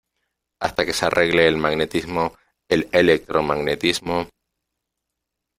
hasta que se arregle el magnetismo , el electromagnetismo ...